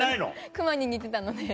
クマに似てたので。